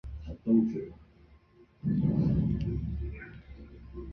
告别式后发引安厝于台北碧潭空军烈士公墓。